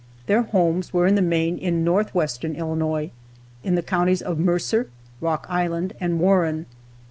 Their homes were, in the main, in northwestern Illinois, in the counties of Mercer, Rock Island, and Warren.